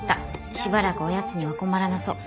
しばらくおやつには困らなそう。